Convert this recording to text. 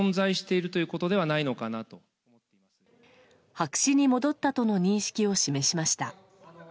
白紙に戻ったとの認識を示しました。